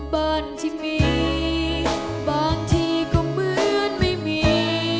บ้านที่มีบางทีก็เหมือนไม่มี